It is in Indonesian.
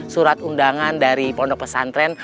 surat undangan dari pondok pesantren